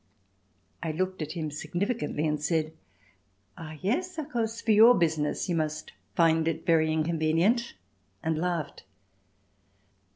I looked at him significantly and said: "Ah, yes, of course for your business you must find it very inconvenient," and laughed.